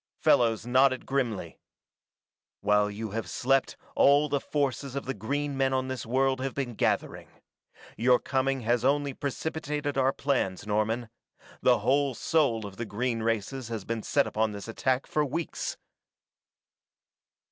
Fellows nodded grimly. "While you have slept all the forces of the green men on this world have been gathering. Your coming has only precipitated our plans, Norman the whole soul of the green races has been set upon this attack for weeks!"